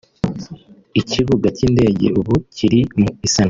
Ikibuga cy’indege ubu kiri mu isanwa